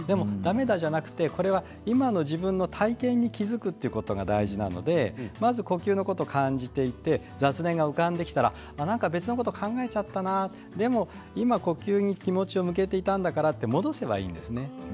だめだではなく今の自分の体験に気付くというのが大事なので呼吸のことをまず感じて雑念が浮かんできたら別のこと考えちゃったなでも今、呼吸に気持ちを向けていたんだからと戻せばいいんですね。